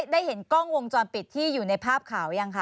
ได้เห็นกล้องวงจรปิดที่อยู่ในภาพข่าวยังคะ